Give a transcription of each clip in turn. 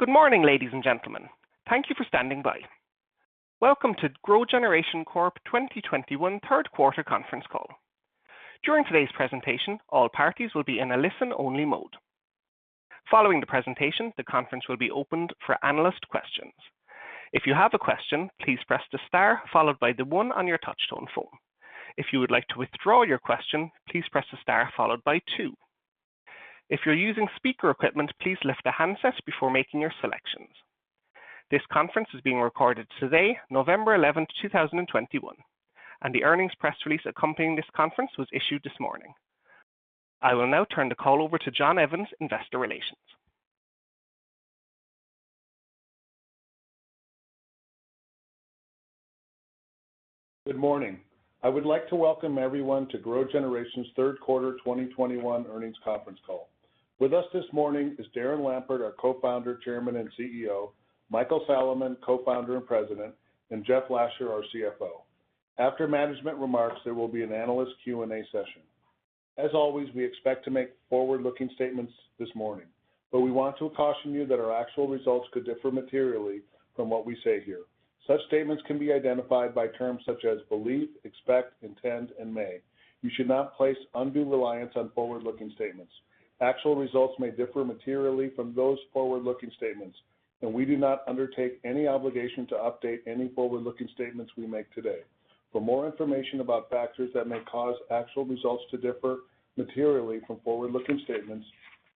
Good morning, ladies and gentlemen. Thank you for standing by. Welcome to GrowGeneration Corp. 2021 third quarter conference call. During today's presentation, all parties will be in a listen-only mode. Following the presentation, the conference will be opened for analyst questions. If you have a question, please press the star followed by the one on your touchtone phone. If you would like to withdraw your question, please press the star followed by two. If you're using speaker equipment, please lift the handset before making your selections. This conference is being recorded today, November 11, 2021, and the earnings press release accompanying this conference was issued this morning. I will now turn the call over to John Evans, Investor Relations. Good morning. I would like to welcome everyone to GrowGeneration's third quarter 2021 earnings conference call. With us this morning is Darren Lampert, our Co-founder, Chairman, and CEO, Michael Salaman, Co-founder and President, and Jeff Lasher, our CFO. After management remarks, there will be an analyst Q&A session. As always, we expect to make forward-looking statements this morning, but we want to caution you that our actual results could differ materially from what we say here. Such statements can be identified by terms such as believe, expect, intend, and may. You should not place undue reliance on forward-looking statements. Actual results may differ materially from those forward-looking statements, and we do not undertake any obligation to update any forward-looking statements we make today. For more information about factors that may cause actual results to differ materially from forward-looking statements,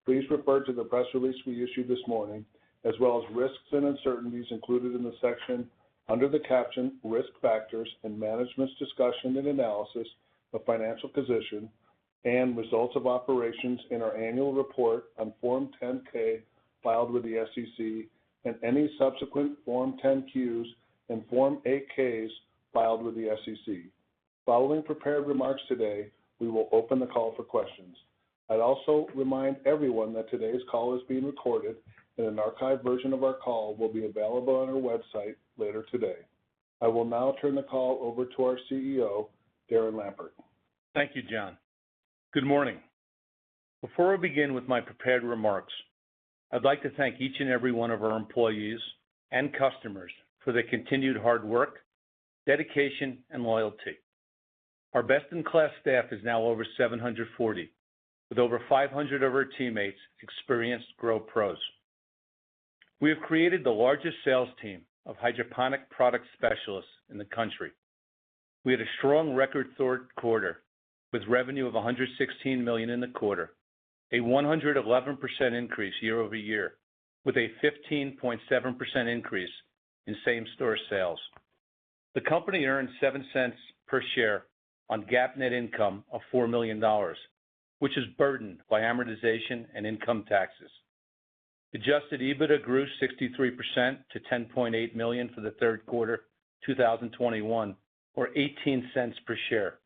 please refer to the press release we issued this morning, as well as risks and uncertainties included in the section under the caption Risk Factors in Management's Discussion and Analysis of Financial Position and Results of Operations in our annual report on Form 10-K filed with the SEC and any subsequent Form 10-Qs and Form 8-Ks filed with the SEC. Following prepared remarks today, we will open the call for questions. I'd also remind everyone that today's call is being recorded and an archived version of our call will be available on our website later today. I will now turn the call over to our CEO, Darren Lampert. Thank you, John. Good morning. Before I begin with my prepared remarks, I'd like to thank each and every one of our employees and customers for their continued hard work, dedication, and loyalty. Our best-in-class staff is now over 740, with over 500 of our teammates experienced Grow Pros. We have created the largest sales team of hydroponic product specialists in the country. We had a strong record third quarter with revenue of $116 million in the quarter, a 111% increase year-over-year, with a 15.7% increase in same-store sales. The company earned $0.07 per share on GAAP net income of $4 million, which is burdened by amortization and income taxes. Adjusted EBITDA grew 63% to $10.8 million for the third quarter 2021 or $0.18 per share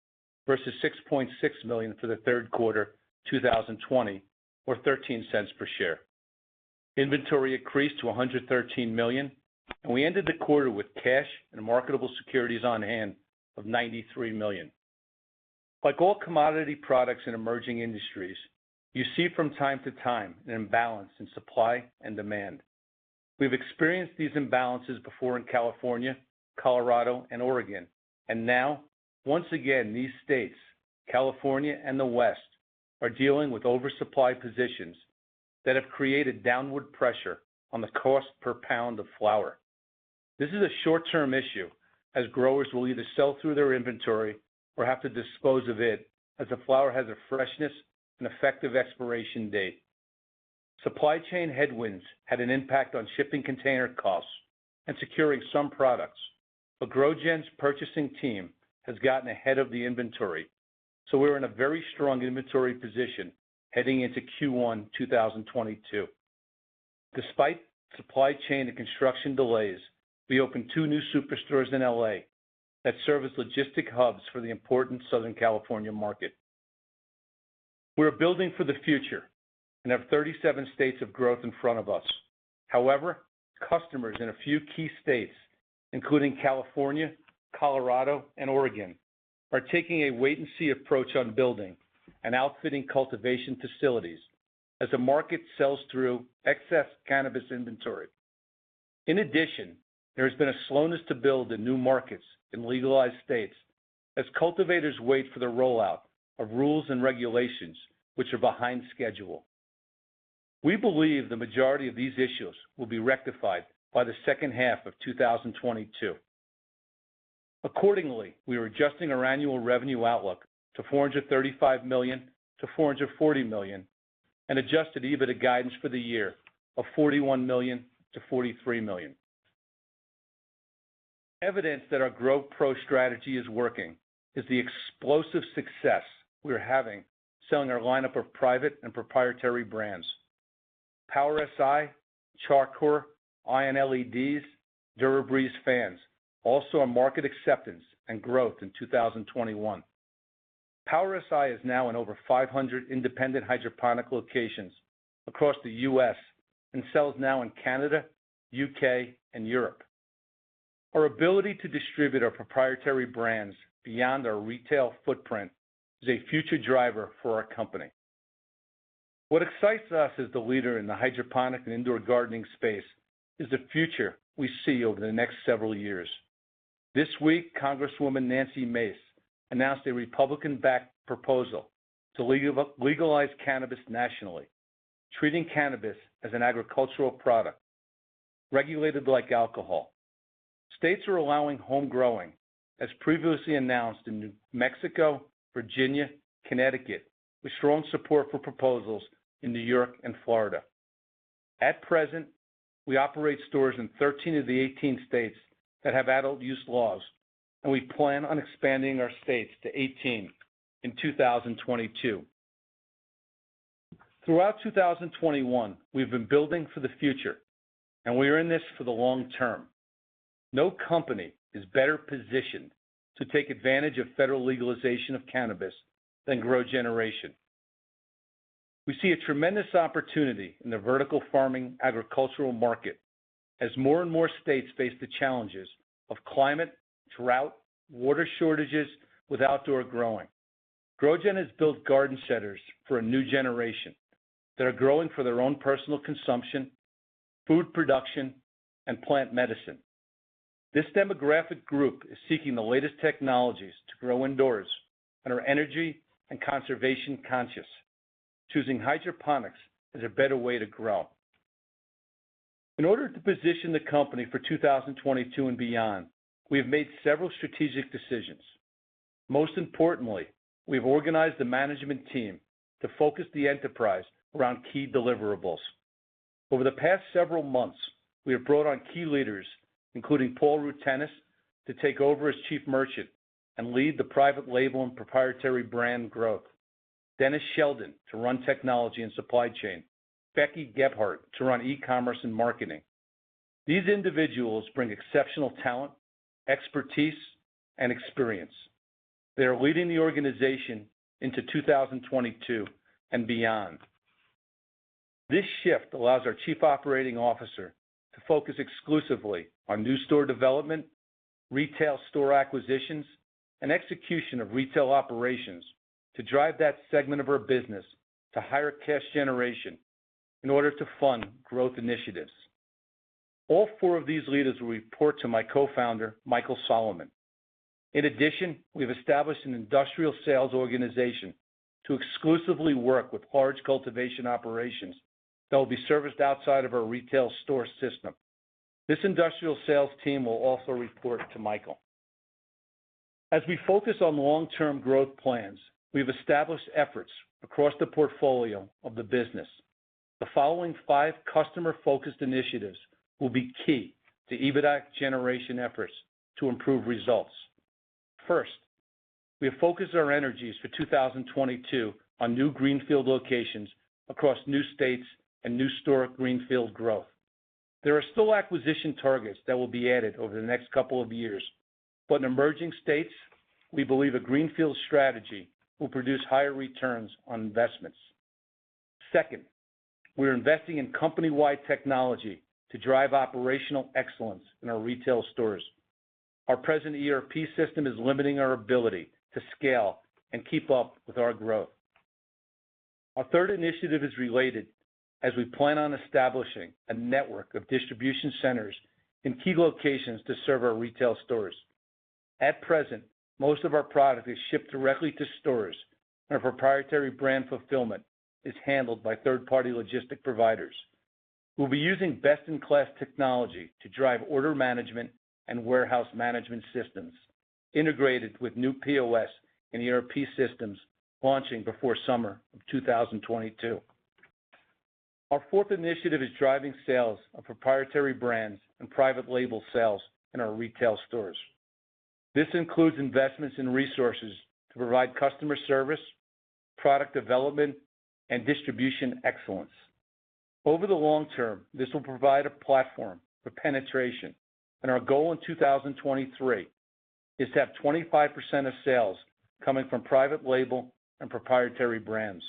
versus $6.6 million for the third quarter 2020 or $0.13 per share. Inventory increased to $113 million, and we ended the quarter with cash and marketable securities on hand of $93 million. Like all commodity products in emerging industries, you see from time to time an imbalance in supply and demand. We've experienced these imbalances before in California, Colorado, and Oregon, and now once again, these states, California and the West, are dealing with oversupply positions that have created downward pressure on the cost per pound of flower. This is a short-term issue as growers will either sell through their inventory or have to dispose of it as the flower has a freshness and effective expiration date. Supply chain headwinds had an impact on shipping container costs and securing some products, but GrowGen's purchasing team has gotten ahead of the inventory, so we're in a very strong inventory position heading into Q1 2022. Despite supply chain and construction delays, we opened two new superstores in L.A. that serve as logistic hubs for the important Southern California market. We're building for the future and have 37 states of growth in front of us. However, customers in a few key states, including California, Colorado, and Oregon, are taking a wait and see approach on building and outfitting cultivation facilities as the market sells through excess cannabis inventory. In addition, there has been a slowness to build in new markets in legalized states as cultivators wait for the rollout of rules and regulations which are behind schedule. We believe the majority of these issues will be rectified by the second half of 2022. Accordingly, we are adjusting our annual revenue outlook to $435 million-$440 million and adjusted EBITDA guidance for the year of $41 million-$43 million. Evidence that our Grow Pro strategy is working is the explosive success we are having selling our lineup of private and proprietary brands. Power Si, Char Coir, Ion LEDs, DuraBreeze fans all saw market acceptance and growth in 2021. Power Si is now in over 500 independent hydroponic locations across the U.S. and sells now in Canada, U.K., and Europe. Our ability to distribute our proprietary brands beyond our retail footprint is a future driver for our company. What excites us as the leader in the hydroponic and indoor gardening space is the future we see over the next several years. This week, Congresswoman Nancy Mace announced a Republican-backed proposal to legalize cannabis nationally, treating cannabis as an agricultural product, regulated like alcohol. States are allowing home growing, as previously announced in New Mexico, Virginia, Connecticut, with strong support for proposals in New York and Florida. At present, we operate stores in 13 of the 18 states that have adult use laws, and we plan on expanding our states to 18 in 2022. Throughout 2021, we've been building for the future, and we are in this for the long term. No company is better positioned to take advantage of federal legalization of cannabis than GrowGeneration. We see a tremendous opportunity in the vertical farming agricultural market as more and more states face the challenges of climate, drought, water shortages with outdoor growing. GrowGen has built garden centers for a new generation that are growing for their own personal consumption, food production, and plant medicine. This demographic group is seeking the latest technologies to grow indoors and are energy and conservation conscious, choosing hydroponics as a better way to grow. In order to position the company for 2022 and beyond, we have made several strategic decisions. Most importantly, we've organized the management team to focus the enterprise around key deliverables. Over the past several months, we have brought on key leaders, including Paul Rutenis to take over as Chief Merchant and lead the private label and proprietary brand growth, Dennis Sheldon to run technology and supply chain, Becky Gebhardt to run e-commerce and marketing. These individuals bring exceptional talent, expertise, and experience. They are leading the organization into 2022 and beyond. This shift allows our Chief Operating Officer to focus exclusively on new store development, retail store acquisitions, and execution of retail operations to drive that segment of our business to higher cash generation in order to fund growth initiatives. All four of these leaders will report to my co-founder, Michael Salaman. In addition, we've established an industrial sales organization to exclusively work with large cultivation operations that will be serviced outside of our retail store system. This industrial sales team will also report to Michael. As we focus on long-term growth plans, we've established efforts across the portfolio of the business. The following five customer-focused initiatives will be key to EBITDA generation efforts to improve results. First, we have focused our energies for 2022 on new greenfield locations across new states and new store greenfield growth. There are still acquisition targets that will be added over the next couple of years, but in emerging states, we believe a greenfield strategy will produce higher returns on investments. Second, we are investing in company-wide technology to drive operational excellence in our retail stores. Our present ERP system is limiting our ability to scale and keep up with our growth. Our third initiative is related as we plan on establishing a network of distribution centers in key locations to serve our retail stores. At present, most of our product is shipped directly to stores, and our proprietary brand fulfillment is handled by third-party logistics providers. We'll be using best-in-class technology to drive order management and warehouse management systems integrated with new POS and ERP systems launching before summer of 2022. Our fourth initiative is driving sales of proprietary brands and private label sales in our retail stores. This includes investments in resources to provide customer service, product development, and distribution excellence. Over the long term, this will provide a platform for penetration, and our goal in 2023 is to have 25% of sales coming from private label and proprietary brands.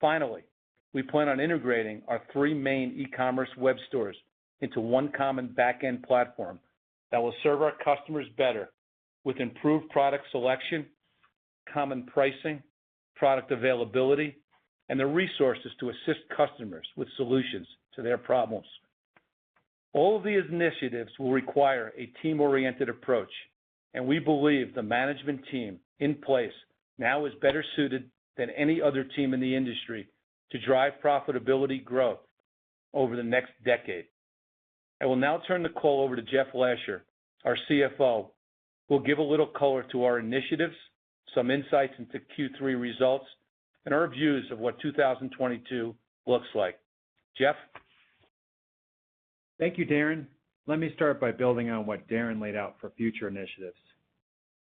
Finally, we plan on integrating our three main e-commerce web stores into one common back-end platform that will serve our customers better with improved product selection, common pricing, product availability, and the resources to assist customers with solutions to their problems. All of these initiatives will require a team-oriented approach, and we believe the management team in place now is better suited than any other team in the industry to drive profitability growth over the next decade. I will now turn the call over to Jeff Lasher, our CFO, who will give a little color to our initiatives, some insights into Q3 results, and our views of what 2022 looks like. Jeff? Thank you, Darren. Let me start by building on what Darren laid out for future initiatives.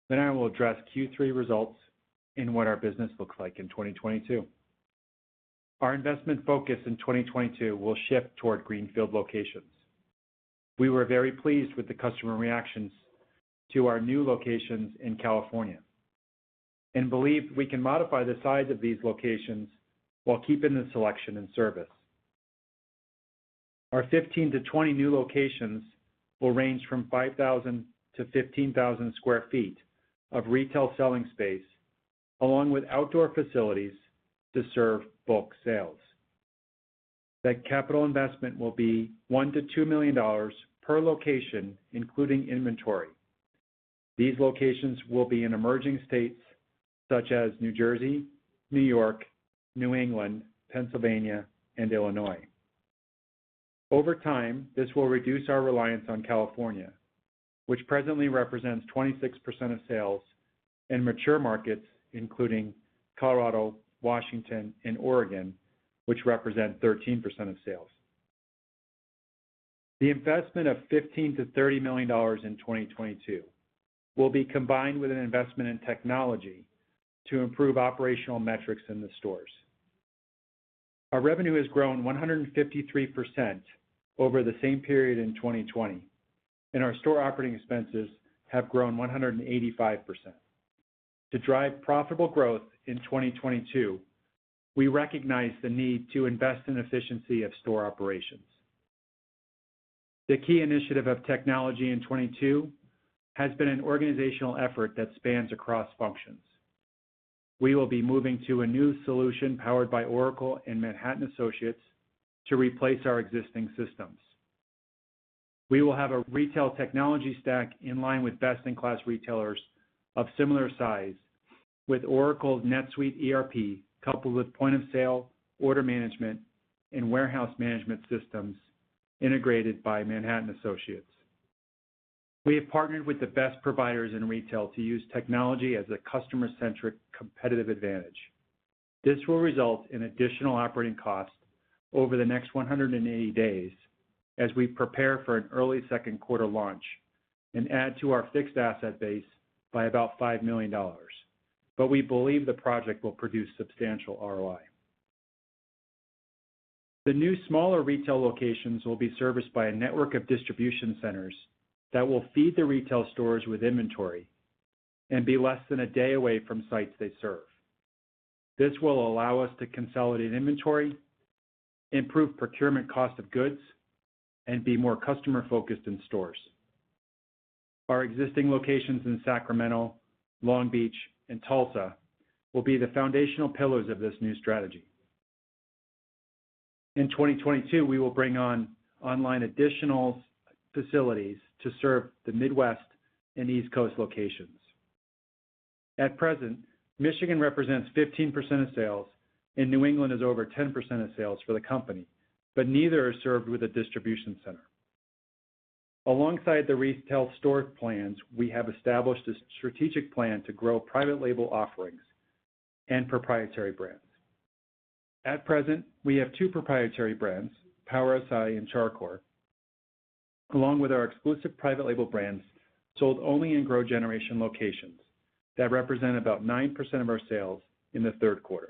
I will address Q3 results and what our business looks like in 2022. Our investment focus in 2022 will shift toward greenfield locations. We were very pleased with the customer reactions to our new locations in California. We believe we can modify the size of these locations while keeping the selection and service. Our 15-20 new locations will range from 5,000-15,000 sq ft of retail selling space, along with outdoor facilities to serve bulk sales. That capital investment will be $1 million-$2 million per location, including inventory. These locations will be in emerging states such as New Jersey, New York, New England, Pennsylvania, and Illinois. Over time, this will reduce our reliance on California, which presently represents 26% of sales in mature markets, including Colorado, Washington, and Oregon, which represent 13% of sales. The investment of $15 million-$30 million in 2022 will be combined with an investment in technology to improve operational metrics in the stores. Our revenue has grown 153% over the same period in 2020, and our store operating expenses have grown 185%. To drive profitable growth in 2022, we recognize the need to invest in efficiency of store operations. The key initiative of technology in 2022 has been an organizational effort that spans across functions. We will be moving to a new solution powered by Oracle and Manhattan Associates to replace our existing systems. We will have a retail technology stack in line with best-in-class retailers of similar size with Oracle's NetSuite ERP coupled with point of sale, order management, and warehouse management systems integrated by Manhattan Associates. We have partnered with the best providers in retail to use technology as a customer-centric competitive advantage. This will result in additional operating costs over the next 180 days as we prepare for an early second quarter launch and add to our fixed asset base by about $5 million. We believe the project will produce substantial ROI. The new smaller retail locations will be serviced by a network of distribution centers that will feed the retail stores with inventory and be less than a day away from sites they serve. This will allow us to consolidate inventory, improve procurement cost of goods, and be more customer-focused in stores. Our existing locations in Sacramento, Long Beach, and Tulsa will be the foundational pillars of this new strategy. In 2022, we will bring on online additional facilities to serve the Midwest and East Coast locations. At present, Michigan represents 15% of sales and New England is over 10% of sales for the company, but neither are served with a distribution center. Alongside the retail store plans, we have established a strategic plan to grow private label offerings and proprietary brands. At present, we have two proprietary brands, Power Si and Char Coir, along with our exclusive private label brands sold only in GrowGeneration locations that represent about 9% of our sales in the third quarter.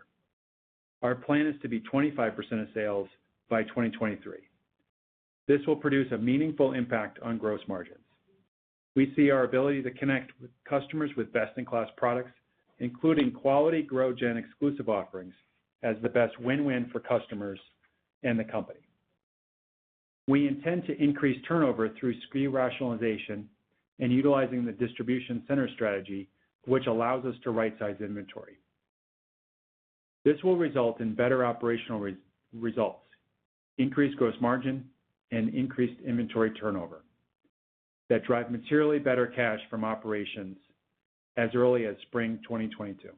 Our plan is to be 25% of sales by 2023. This will produce a meaningful impact on gross margins. We see our ability to connect with customers with best-in-class products, including quality GrowGen exclusive offerings, as the best win-win for customers and the company. We intend to increase turnover through SKU rationalization and utilizing the distribution center strategy, which allows us to right-size inventory. This will result in better operational results, increased gross margin, and increased inventory turnover that drive materially better cash from operations as early as spring 2022.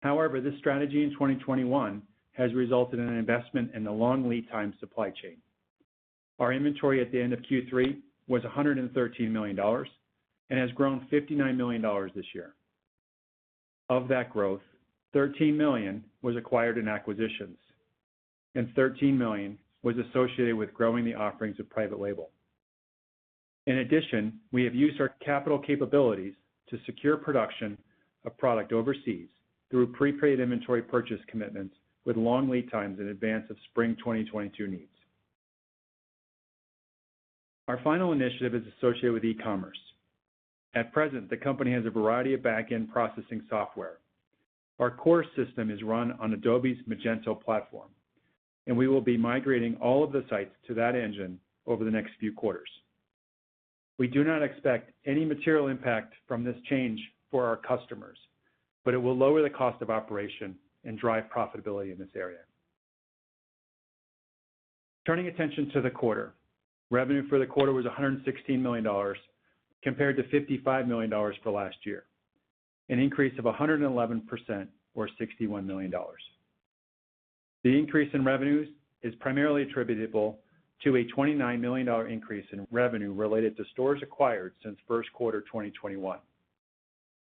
However, this strategy in 2021 has resulted in an investment in the long lead time supply chain. Our inventory at the end of Q3 was $113 million and has grown $59 million this year. Of that growth, $13 million was acquired in acquisitions and $13 million was associated with growing the offerings of private label. In addition, we have used our capital capabilities to secure production of product overseas through prepaid inventory purchase commitments with long lead times in advance of spring 2022 needs. Our final initiative is associated with e-commerce. At present, the company has a variety of back-end processing software. Our core system is run on Adobe's Magento platform, and we will be migrating all of the sites to that engine over the next few quarters. We do not expect any material impact from this change for our customers, but it will lower the cost of operation and drive profitability in this area. Turning attention to the quarter, revenue for the quarter was $116 million compared to $55 million for last year, an increase of 111% or $61 million. The increase in revenues is primarily attributable to a $29 million increase in revenue related to stores acquired since first quarter 2021.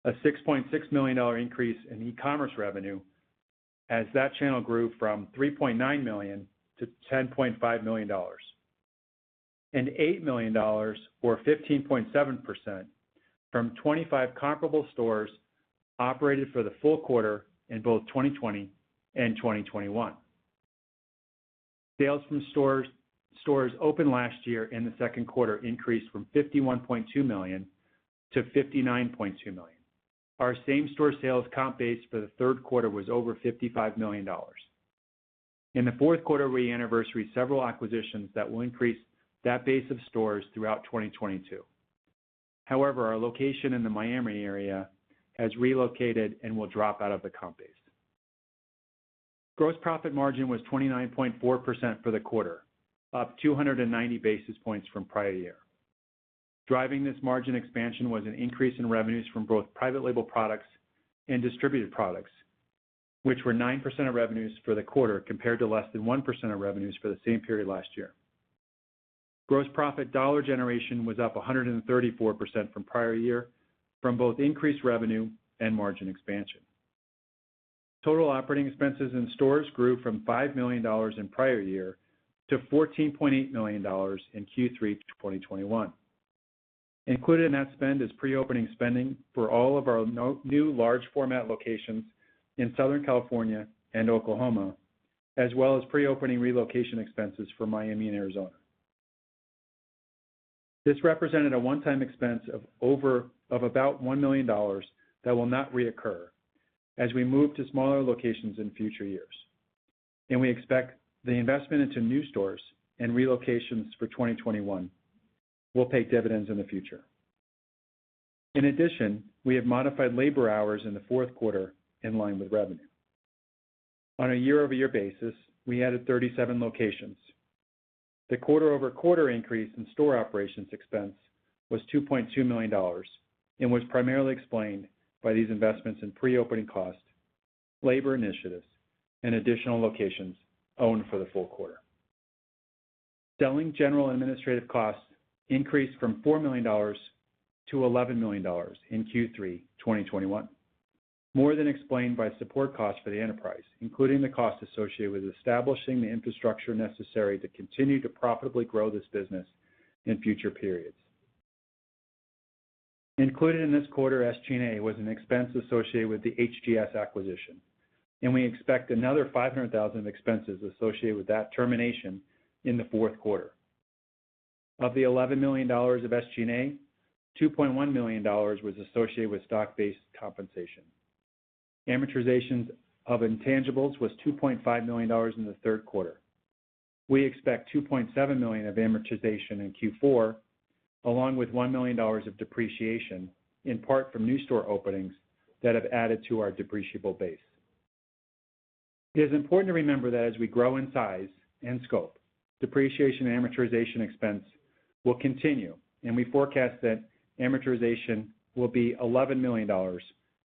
A $6.6 million increase in e-commerce revenue as that channel grew from $3.9 million to $10.5 million. $8 million or 15.7% from 25 comparable stores operated for the full quarter in both 2020 and 2021. Sales from stores open last year in the second quarter increased from $51.2 million to $59.2 million. Our same store sales comp base for the third quarter was over $55 million. In the fourth quarter, we anniversaried several acquisitions that will increase that base of stores throughout 2022. However, our location in the Miami area has relocated and will drop out of the comp base. Gross profit margin was 29.4% for the quarter, up 290 basis points from prior year. Driving this margin expansion was an increase in revenues from both private label products and distributed products, which were 9% of revenues for the quarter, compared to less than 1% of revenues for the same period last year. Gross profit dollar generation was up 134% from prior year, from both increased revenue and margin expansion. Total operating expenses in stores grew from $5 million in prior year to $14.8 million in Q3 2021. Included in that spend is pre-opening spending for all of our nine new large format locations in Southern California and Oklahoma, as well as pre-opening relocation expenses for Miami and Arizona. This represented a one-time expense of about $1 million that will not recur as we move to smaller locations in future years, and we expect the investment into new stores and relocations for 2021 will pay dividends in the future. In addition, we have modified labor hours in the fourth quarter in line with revenue. On a year-over-year basis, we added 37 locations. The quarter-over-quarter increase in store operations expense was $2.2 million and was primarily explained by these investments in pre-opening costs, labor initiatives, and additional locations owned for the full quarter. Selling general administrative costs increased from $4 million to $11 million in Q3 2021, more than explained by support costs for the enterprise, including the cost associated with establishing the infrastructure necessary to continue to profitably grow this business in future periods. Included in this quarter's SG&A was an expense associated with the HGS acquisition, and we expect another $500,000 of expenses associated with that termination in the fourth quarter. Of the $11 million of SG&A, $2.1 million was associated with stock-based compensation. Amortizations of intangibles was $2.5 million in the third quarter. We expect $2.7 million of amortization in Q4, along with $1 million of depreciation, in part from new store openings that have added to our depreciable base. It is important to remember that as we grow in size and scope, depreciation and amortization expense will continue, and we forecast that amortization will be $11 million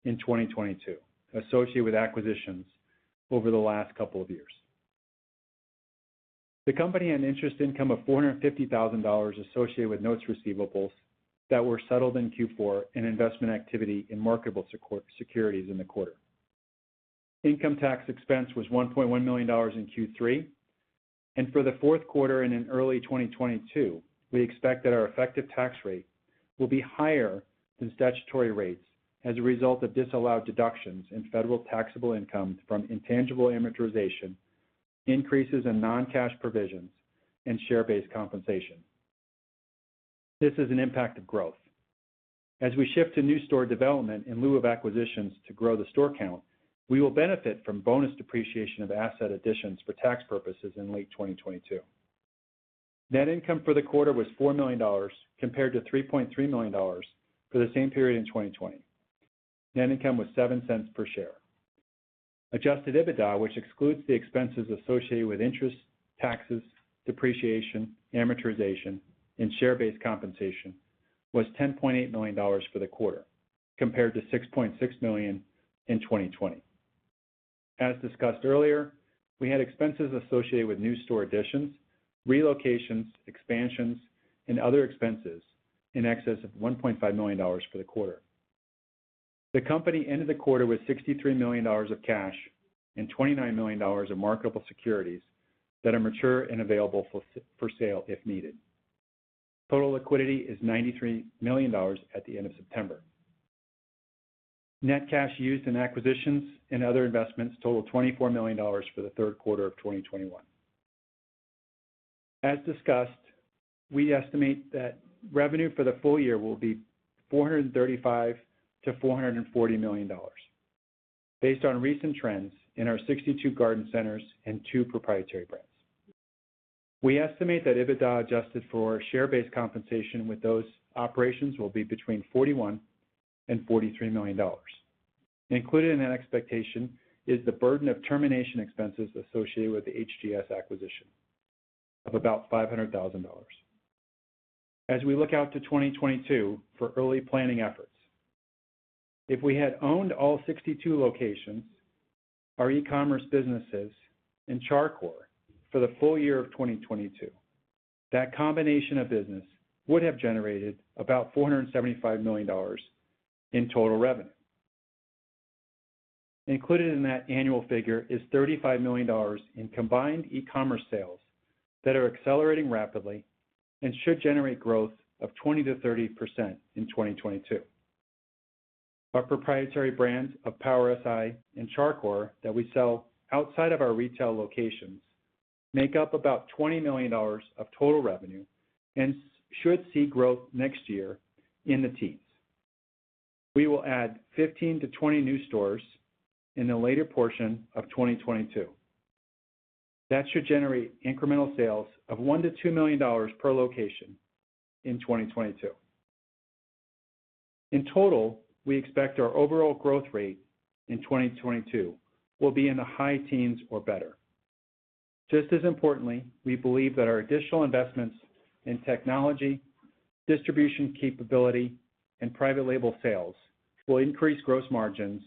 in 2022 associated with acquisitions over the last couple of years. The company had an interest income of $450,000 associated with notes receivables that were settled in Q4 and investment activity in marketable securities in the quarter. Income tax expense was $1.1 million in Q3, and for the fourth quarter and in early 2022, we expect that our effective tax rate will be higher than statutory rates as a result of disallowed deductions in federal taxable income from intangible amortization, increases in non-cash provisions, and share-based compensation. This is an impact of growth. As we shift to new store development in lieu of acquisitions to grow the store count, we will benefit from bonus depreciation of asset additions for tax purposes in late 2022. Net income for the quarter was $4 million, compared to $3.3 million for the same period in 2020. Net income was $0.07 per share. Adjusted EBITDA, which excludes the expenses associated with interest, taxes, depreciation, amortization, and share-based compensation, was $10.8 million for the quarter, compared to $6.6 million in 2020. As discussed earlier, we had expenses associated with new store additions, relocations, expansions, and other expenses in excess of $1.5 million for the quarter. The company ended the quarter with $63 million of cash and $29 million of marketable securities that are mature and available for sale if needed. Total liquidity is $93 million at the end of September. Net cash used in acquisitions and other investments totaled $24 million for the third quarter of 2021. As discussed, we estimate that revenue for the full year will be $435 million-$440 million based on recent trends in our 62 garden centers and two proprietary brands. We estimate that EBITDA, adjusted for share-based compensation with those operations, will be between $41 million and $43 million. Included in that expectation is the burden of termination expenses associated with the HGS acquisition of about $500,000. We look out to 2022 for early planning efforts. If we had owned all 62 locations, our e-commerce businesses, and Char Coir for the full year of 2022, that combination of business would have generated about $475 million in total revenue. Included in that annual figure is $35 million in combined e-commerce sales that are accelerating rapidly and should generate growth of 20%-30% in 2022. Our proprietary brands of Power Si and Char Coir that we sell outside of our retail locations make up about $20 million of total revenue and should see growth next year in the teens. We will add 15-20 new stores in the later portion of 2022. That should generate incremental sales of $1 million-$2 million per location in 2022. In total, we expect our overall growth rate in 2022 will be in the high teens or better. Just as importantly, we believe that our additional investments in technology, distribution capability, and private label sales will increase gross margins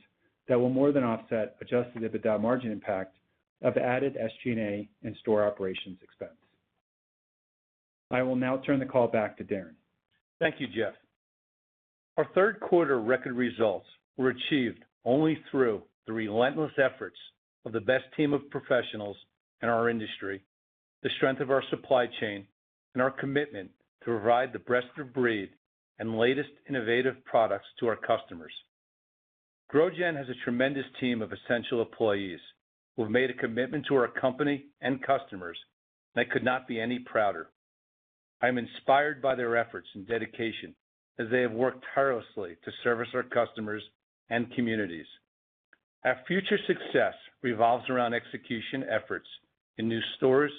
that will more than offset adjusted EBITDA margin impact of added SG&A and store operations expense. I will now turn the call back to Darren. Thank you, Jeff. Our third quarter record results were achieved only through the relentless efforts of the best team of professionals in our industry, the strength of our supply chain, and our commitment to provide the best of breed and latest innovative products to our customers. GrowGen has a tremendous team of essential employees who have made a commitment to our company and customers, and I could not be any prouder. I am inspired by their efforts and dedication as they have worked tirelessly to service our customers and communities. Our future success revolves around execution efforts in new stores,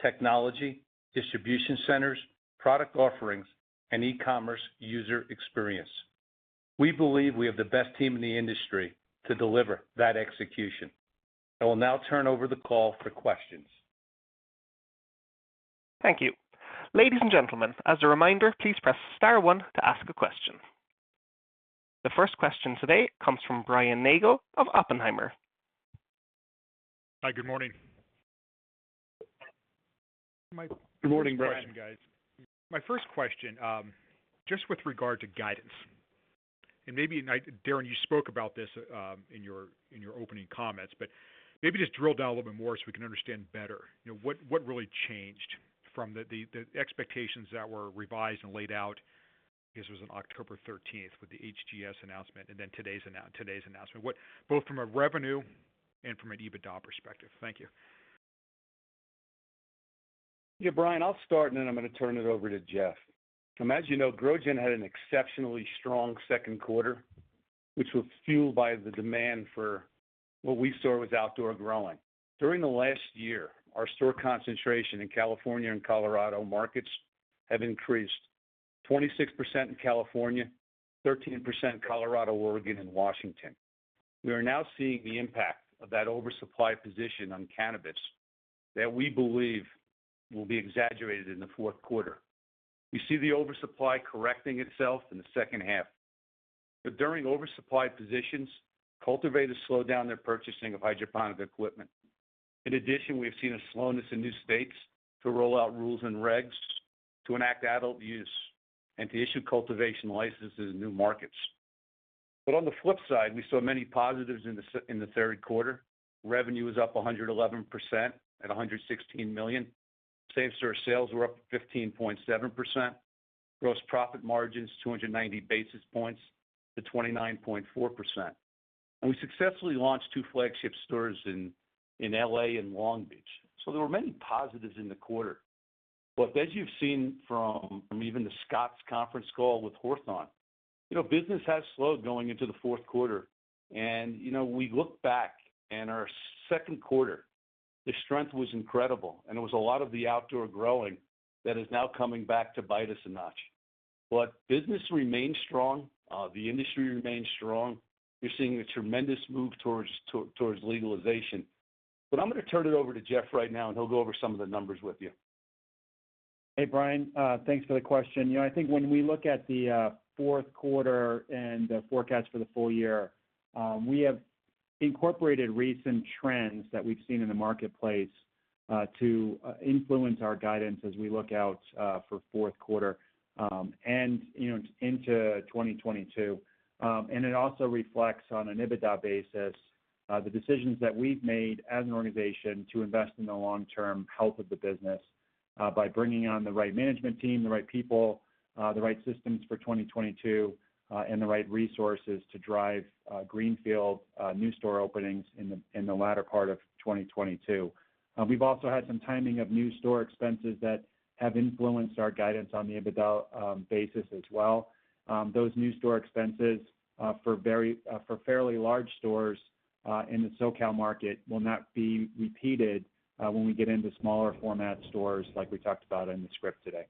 technology, distribution centers, product offerings, and e-commerce user experience. We believe we have the best team in the industry to deliver that execution. I will now turn over the call for questions. Thank you. Ladies and gentlemen, as a reminder, please press star one to ask a question. The first question today comes from Brian Nagel of Oppenheimer. Hi, good morning. Good morning, Brian. My first question, guys. Just with regard to guidance, and maybe Darren, you spoke about this in your opening comments, but maybe just drill down a little bit more so we can understand better. You know, what really changed from the expectations that were revised and laid out, I guess it was on October thirteenth with the HGS announcement and then today's announcement, what both from a revenue and from an EBITDA perspective? Thank you. Yeah, Brian, I'll start, and then I'm gonna turn it over to Jeff. As you know, GrowGen had an exceptionally strong second quarter, which was fueled by the demand for what we saw was outdoor growing. During the last year, our store concentration in California and Colorado markets have increased 26% in California, 13% in Colorado, Oregon, and Washington. We are now seeing the impact of that oversupply position on cannabis that we believe will be exaggerated in the fourth quarter. We see the oversupply correcting itself in the second half. During oversupply positions, cultivators slow down their purchasing of hydroponic equipment. In addition, we've seen a slowness in new states to roll out rules and regs to enact adult use and to issue cultivation licenses in new markets. On the flip side, we saw many positives in the third quarter. Revenue was up 111% at $116 million. Same-store sales were up 15.7%. Gross profit margins, 290 basis points to 29.4%. We successfully launched two flagship stores in L.A. and Long Beach. There were many positives in the quarter. As you've seen from even the Scotts conference call with Hawthorne, you know, business has slowed going into the fourth quarter. You know, we look back in our second quarter, the strength was incredible, and it was a lot of the outdoor growing that is now coming back to bite us a notch. Business remains strong, the industry remains strong. We're seeing a tremendous move towards legalization. I'm gonna turn it over to Jeff right now, and he'll go over some of the numbers with you. Hey, Brian, thanks for the question. You know, I think when we look at the fourth quarter and the forecast for the full year, we have incorporated recent trends that we've seen in the marketplace to influence our guidance as we look out for fourth quarter and, you know, into 2022. It also reflects on an EBITDA basis the decisions that we've made as an organization to invest in the long-term health of the business by bringing on the right management team, the right people, the right systems for 2022 and the right resources to drive greenfield new store openings in the latter part of 2022. We've also had some timing of new store expenses that have influenced our guidance on the EBITDA basis as well. Those new store expenses for fairly large stores in the SoCal market will not be repeated when we get into smaller format stores like we talked about in the script today.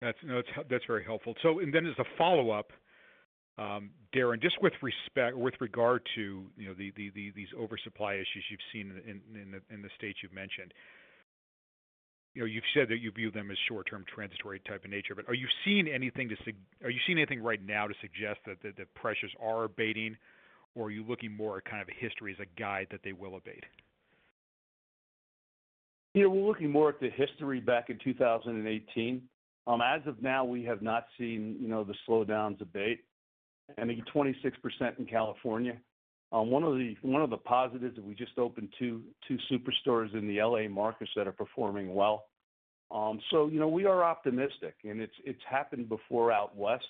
That's very helpful. As a follow-up, Darren, just with regard to the these oversupply issues you've seen in the states you've mentioned. You've said that you view them as short-term transitory type of nature, but are you seeing anything right now to suggest that the pressures are abating, or are you looking more at kind of a history as a guide that they will abate? You know, we're looking more at the history back in 2018. As of now, we have not seen, you know, the slowdowns abate. I think 26% in California. One of the positives that we just opened two superstores in the L.A. markets that are performing well. So, you know, we are optimistic and it's happened before out west,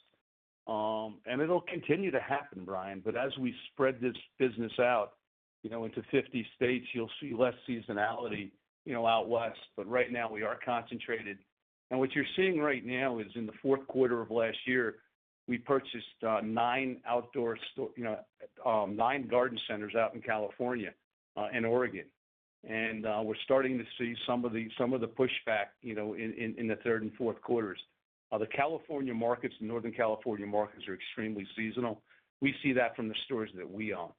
and it'll continue to happen, Brian. As we spread this business out, you know, into 50 states, you'll see less seasonality, you know, out west. Right now we are concentrated. What you're seeing right now is in the fourth quarter of last year, we purchased nine garden centers out in California and Oregon. We're starting to see some of the pushback, you know, in the third and fourth quarters. The California markets, Northern California markets are extremely seasonal. We see that from the stores that we own.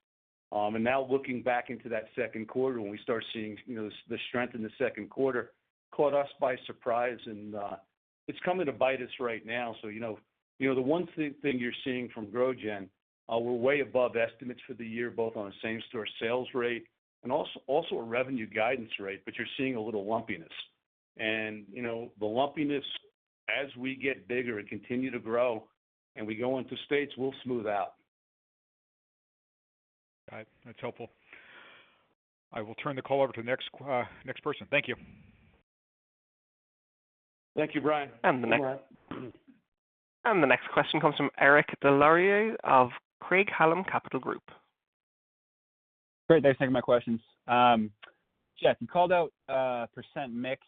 Now looking back into that second quarter when we start seeing, you know, the strength in the second quarter caught us by surprise and it's coming to bite us right now. You know, the one thing you're seeing from GrowGen, we're way above estimates for the year, both on a same store sales rate and also a revenue guidance rate, but you're seeing a little lumpiness. You know, the lumpiness as we get bigger and continue to grow, and we go into states will smooth out. Got it. That's helpful. I will turn the call over to the next person. Thank you. Thank you, Brian. The next- All right. The next question comes from Eric Des Lauriers of Craig-Hallum Capital Group. Great. Thanks. My question. Jeff, you called out percent mix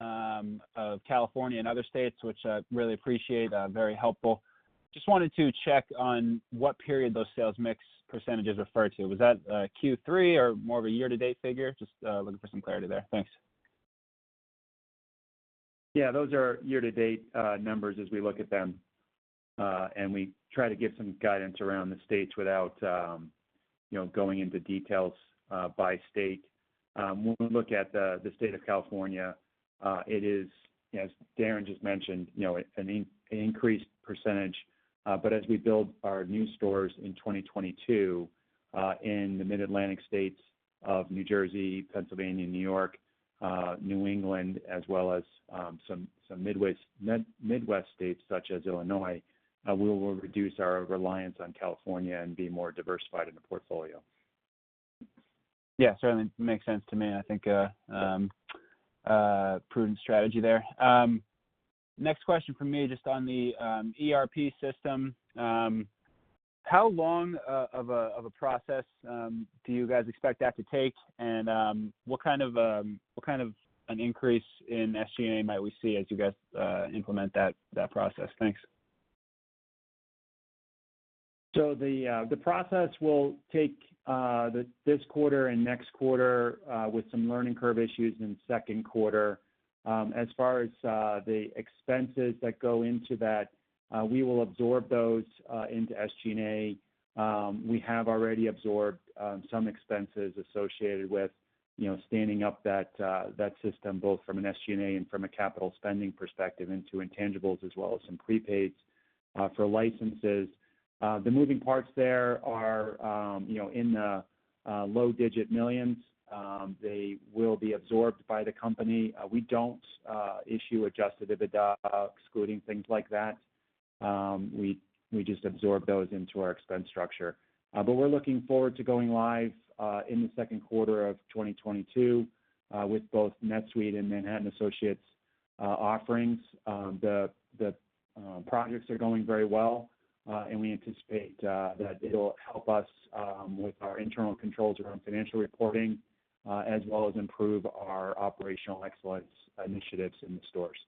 of California and other states, which I really appreciate. Very helpful. Just wanted to check on what period those sales mix percentages refer to. Was that Q3 or more of a year-to-date figure? Just looking for some clarity there. Thanks. Yeah. Those are year to date numbers as we look at them. We try to give some guidance around the states without, you know, going into details by state. When we look at the state of California, it is, as Darren just mentioned, you know, an increased percentage. But as we build our new stores in 2022, in the Mid-Atlantic states of New Jersey, Pennsylvania, New York, New England, as well as some Midwest states such as Illinois, we will reduce our reliance on California and be more diversified in the portfolio. Yeah, certainly makes sense to me. I think prudent strategy there. Next question from me just on the ERP system. How long of a process do you guys expect that to take? And what kind of an increase in SG&A might we see as you guys implement that process? Thanks. The process will take this quarter and next quarter with some learning curve issues in second quarter. As far as the expenses that go into that, we will absorb those into SG&A. We have already absorbed some expenses associated with, you know, standing up that system, both from an SG&A and from a capital spending perspective into intangibles as well as some prepaids for licenses. The moving parts there are, you know, in the low single-digit millions. They will be absorbed by the company. We don't issue adjusted EBITDA excluding things like that. We just absorb those into our expense structure. We're looking forward to going live in the second quarter of 2022 with both NetSuite and Manhattan Associates offerings. The projects are going very well, and we anticipate that it'll help us with our internal controls around financial reporting, as well as improve our operational excellence initiatives in the stores.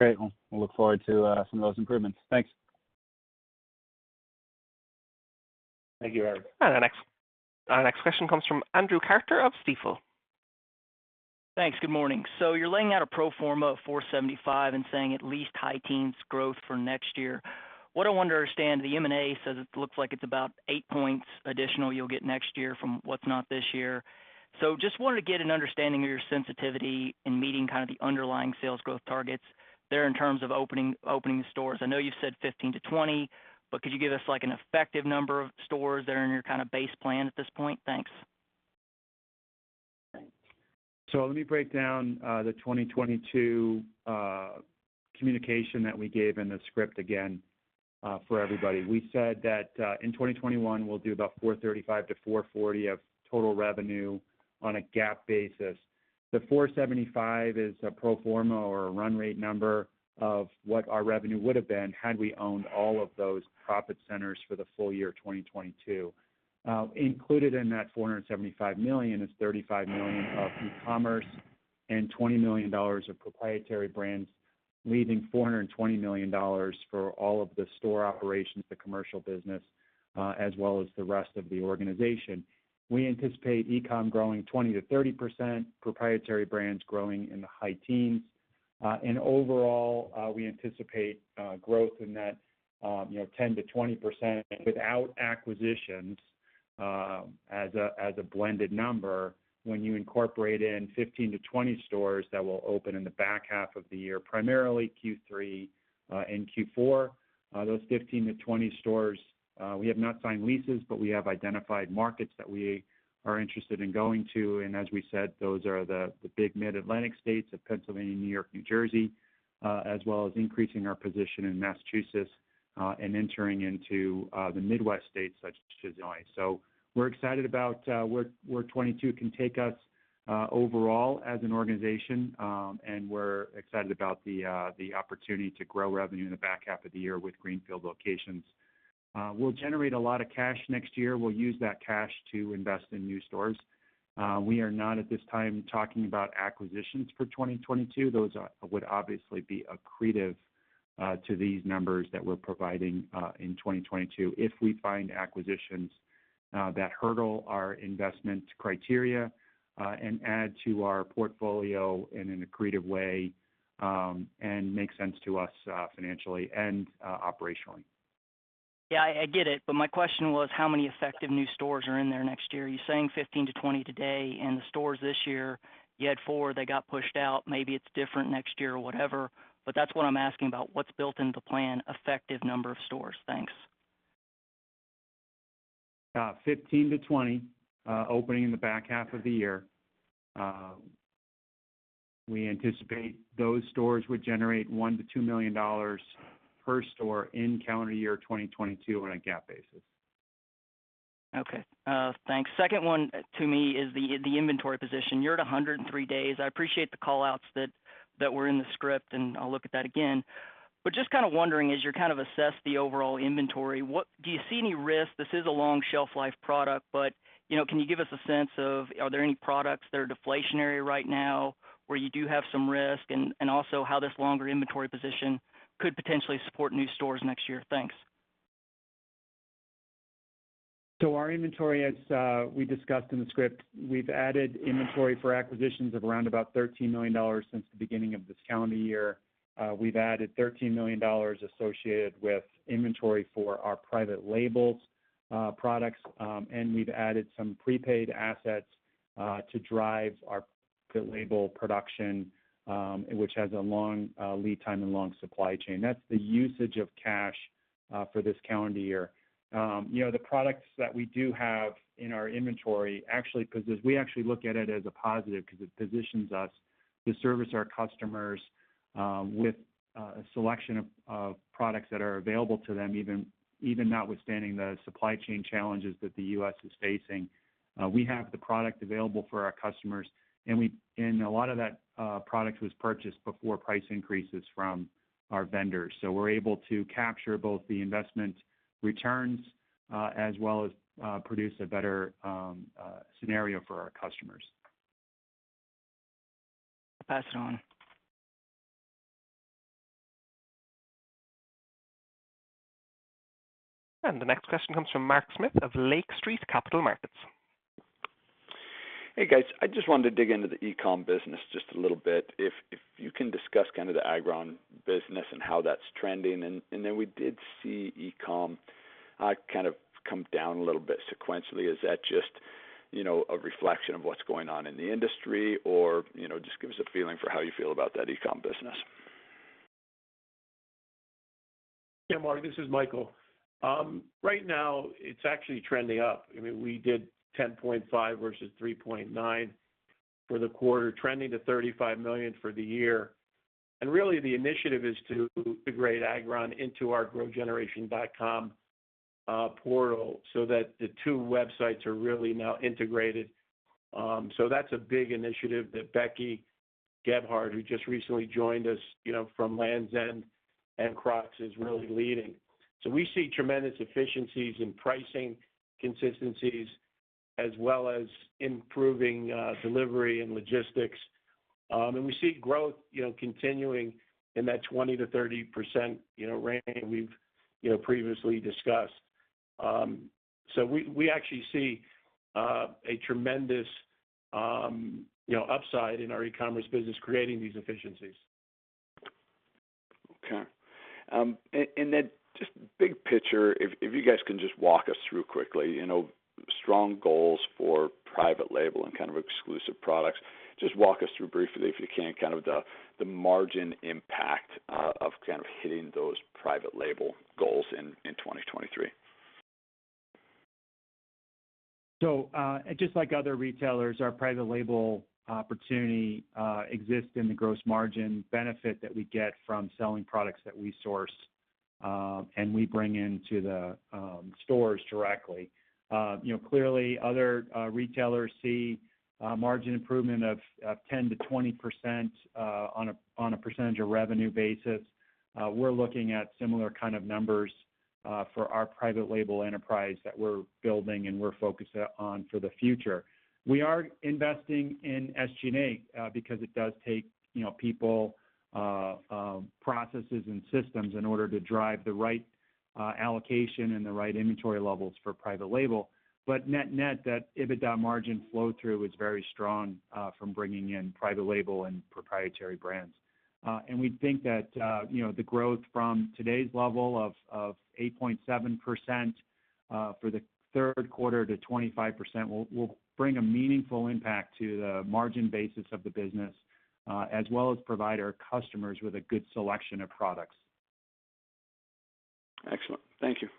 Great. We'll look forward to some of those improvements. Thanks. Thank you, Eric. Our next question comes from Andrew Carter of Stifel. Thanks. Good morning. You're laying out a pro forma of $475 and saying at least high teens growth for next year. What I want to understand, the M&A says it looks like it's about 8 points additional you'll get next year from what's not this year. Just wanted to get an understanding of your sensitivity in meeting kind of the underlying sales growth targets there in terms of opening the stores. I know you've said 15-20, but could you give us like an effective number of stores that are in your kind of base plan at this point? Thanks. Let me break down the 2022 communication that we gave in the script again for everybody. We said that in 2021 we'll do about $435 million-$440 million of total revenue on a GAAP basis. The 475 is a pro forma or a run rate number of what our revenue would have been had we owned all of those profit centers for the full year of 2022. Included in that $475 million is $35 million of e-commerce and $20 million of proprietary brands, leaving $420 million for all of the store operations, the commercial business, as well as the rest of the organization. We anticipate e-com growing 20%-30%, proprietary brands growing in the high teens. Overall, we anticipate growth in that, you know, 10%-20% without acquisitions, as a blended number when you incorporate in 15-20 stores that will open in the back half of the year, primarily Q3 and Q4. Those 15-20 stores, we have not signed leases, but we have identified markets that we are interested in going to. As we said, those are the big Mid-Atlantic states of Pennsylvania, New York, New Jersey, as well as increasing our position in Massachusetts. Entering into the Midwest states such as Illinois. We're excited about where 2022 can take us overall as an organization. We're excited about the opportunity to grow revenue in the back half of the year with greenfield locations. We'll generate a lot of cash next year. We'll use that cash to invest in new stores. We are not at this time talking about acquisitions for 2022. Those would obviously be accretive to these numbers that we're providing in 2022 if we find acquisitions that hurdle our investment criteria and add to our portfolio in an accretive way and make sense to us financially and operationally. Yeah, I get it. My question was how many effective new stores are in there next year? You're saying 15-20 today. In the stores this year, you had four, they got pushed out. Maybe it's different next year or whatever, that's what I'm asking about, what's built into plan effective number of stores. Thanks. 15-20 opening in the back half of the year. We anticipate those stores would generate $1 million-$2 million per store in calendar year 2022 on a GAAP basis. Okay, thanks. Second one to me is the inventory position. You're at 103 days. I appreciate the call-outs that were in the script, and I'll look at that again. Just kind of wondering as you kind of assess the overall inventory, what do you see any risk? This is a long shelf life product, but you know, can you give us a sense of are there any products that are deflationary right now where you do have some risk, and also how this longer inventory position could potentially support new stores next year? Thanks. Our inventory, as we discussed in the script, we've added inventory for acquisitions of around about $13 million since the beginning of this calendar year. We've added $13 million associated with inventory for our private labels products. We've added some prepaid assets to drive our label production, which has a long lead time and long supply chain. That's the usage of cash for this calendar year. You know, the products that we do have in our inventory actually, because as we actually look at it as a positive because it positions us to service our customers with a selection of products that are available to them even notwithstanding the supply chain challenges that the U.S. is facing. We have the product available for our customers, and a lot of that product was purchased before price increases from our vendors. We're able to capture both the investment returns as well as produce a better scenario for our customers. Pass it on. The next question comes from Mark Smith of Lake Street Capital Markets. Hey, guys. I just wanted to dig into the e-com business just a little bit. If you can discuss kind of the Agron business and how that's trending. We did see e-com kind of come down a little bit sequentially. Is that just, you know, a reflection of what's going on in the industry? You know, just give us a feeling for how you feel about that e-com business. Yeah, Mark, this is Michael. Right now it's actually trending up. I mean, we did $10.5 versus $3.9 for the quarter, trending to $35 million for the year. Really the initiative is to integrate Agron into our growgeneration.com portal so that the two websites are really now integrated. That's a big initiative that Becky Gebhardt, who just recently joined us, you know, from Lands' End and Crocs, is really leading. We see tremendous efficiencies in pricing consistencies as well as improving delivery and logistics. We see growth, you know, continuing in that 20%-30% range we've, you know, previously discussed. We actually see a tremendous upside in our e-commerce business creating these efficiencies. Okay. Just big picture, if you guys can just walk us through quickly, you know, strong goals for private label and kind of exclusive products. Just walk us through briefly, if you can, kind of the margin impact of kind of hitting those private label goals in 2023. Just like other retailers, our private label opportunity exists in the gross margin benefit that we get from selling products that we source and we bring into the stores directly. You know, clearly other retailers see margin improvement of 10%-20% on a percentage of revenue basis. We're looking at similar kind of numbers for our private label enterprise that we're building and we're focused on for the future. We are investing in SG&A because it does take you know, people processes and systems in order to drive the right allocation and the right inventory levels for private label. But net-net, that EBITDA margin flow through is very strong from bringing in private label and proprietary brands. We think that, you know, the growth from today's level of 8.7% for the third quarter to 25% will bring a meaningful impact to the margin basis of the business, as well as provide our customers with a good selection of products. Excellent. Thank you.